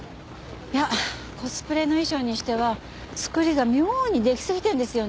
いやコスプレの衣装にしては作りが妙にできすぎてるんですよねえ。